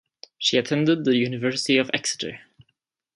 She attended the University of Exeter.